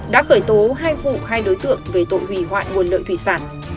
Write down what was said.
đã khởi tố hai vụ hai đối tượng về tội hủy hoại nguồn lợi thủy sản